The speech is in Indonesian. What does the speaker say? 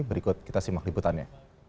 berikut kita simak liputannya